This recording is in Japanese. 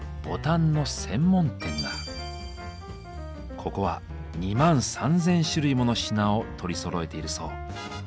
ここは２万３千種類もの品を取りそろえているそう。